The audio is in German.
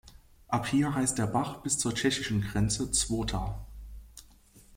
Ab hier heißt der Bach bis zur tschechischen Grenze Zwota.